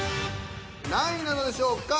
何位なのでしょうか。